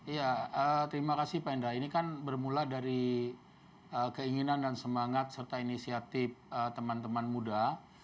ya terima kasih pak enda ini kan bermula dari keinginan dan semangat serta inisiatif teman teman muda